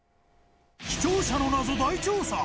視聴者の謎、大調査。